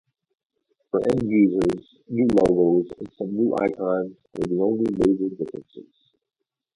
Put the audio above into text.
For end-users, new logos and some new icons were the only major differences.